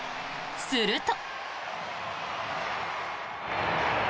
すると。